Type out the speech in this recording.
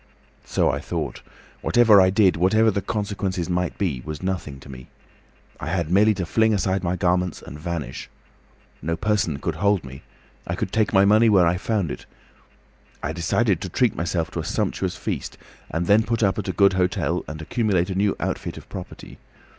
So I thought. Whatever I did, whatever the consequences might be, was nothing to me. I had merely to fling aside my garments and vanish. No person could hold me. I could take my money where I found it. I decided to treat myself to a sumptuous feast, and then put up at a good hotel, and accumulate a new outfit of property.